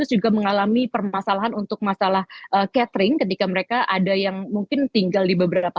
juga mengalami permasalahan untuk masalah catering ketika mereka ada yang mungkin tinggal di beberapa